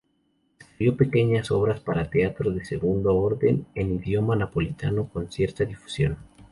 Escribió pequeñas obras para teatro de segundo orden en idioma napolitano, con cierta difusión.